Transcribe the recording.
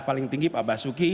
paling tinggi pak basuki